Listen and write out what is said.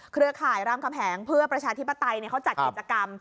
เครือข่ายรามคำแหงเพื่อประชาธิปไตยเขาจัดกิจกรรม